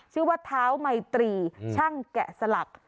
ชื่อว่าเท้าไมตรีช่างแกะสลัก